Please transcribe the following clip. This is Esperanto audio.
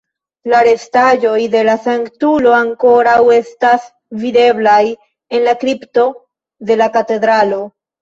La restaĵoj de la sanktulo ankoraŭ estas videblaj en la kripto de la katedralo.